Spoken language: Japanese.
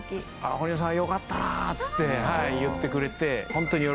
堀之内さんはよかったなっつって言ってくれて。